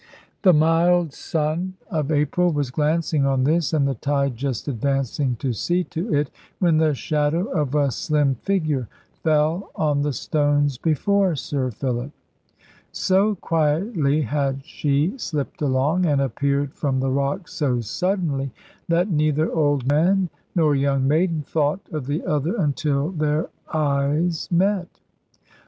The mild sun of April was glancing on this, and the tide just advancing to see to it, when the shadow of a slim figure fell on the stones before Sir Philip. So quietly had she slipped along, and appeared from the rocks so suddenly, that neither old man nor young maiden thought of the other until their eyes met.